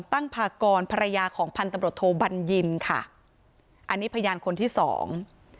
ตั้งภากรภรรยาของพันธบทโทบันยินค่ะอันนี้พยานคนที่สอง